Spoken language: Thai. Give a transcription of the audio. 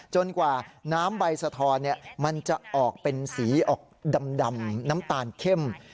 กว่าน้ำใบสะทอนมันจะออกเป็นสีออกดำน้ำตาลเข้ม